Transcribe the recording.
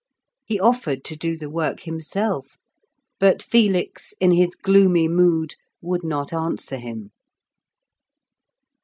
He offered to do the work himself, but Felix, in his gloomy mood, would not answer him.